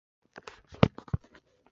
火鸡肉大多都经过食品加工。